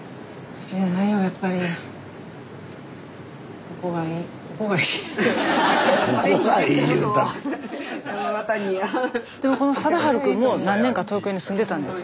スタジオでもこの貞治くんも何年か東京に住んでたんですよ。